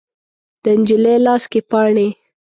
د نجلۍ لاس کې پاڼې